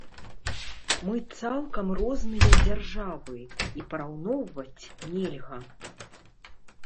Мы цалкам розныя дзяржавы, і параўноўваць нельга.